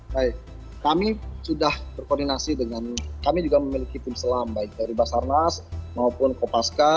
baik kami sudah berkoordinasi dengan kami juga memiliki tim selam baik dari basarnas maupun kopaska